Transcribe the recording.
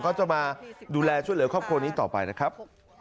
เขาจะมาดูแลช่วยเหลือครอบครัวนี้ต่อไปนะครับ